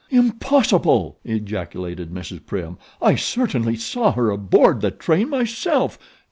"Impossible!" ejaculated Mrs. Prim. "I certainly saw her aboard the train myself.